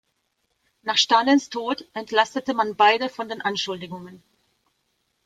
Nach Stalins Tod entlastete man beide von den Anschuldigungen.